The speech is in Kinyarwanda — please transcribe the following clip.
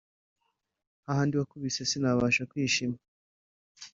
hahandi bakubise sinabasha kwishima